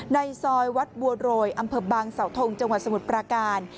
ในซอยวัดบัวโรยอำเภอบางสาวทงจังหวัดสมุทรปราการ